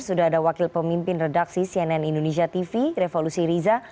sudah ada wakil pemimpin redaksi cnn indonesia tv revolusi riza